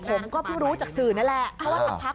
ผมก็เพิ่งรู้จากสื่อนั่นแหละเพราะว่าทางพัก